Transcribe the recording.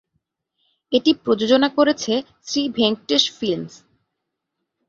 এটি প্রযোজনা করেছে শ্রী ভেঙ্কটেশ ফিল্মস।